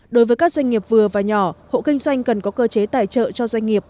đối với các doanh nghiệp vừa và nhỏ hộ kinh doanh cần có cơ chế tài trợ cho doanh nghiệp